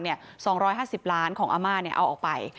๒๕๐ล้านของอาม่าเอาออกไป